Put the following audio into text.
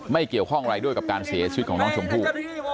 ไม่เกี่ยวข้องอะไรด้วยกับการเสียชีวิตของน้องชมพู่